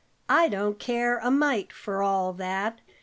"I don't care a mite for all that.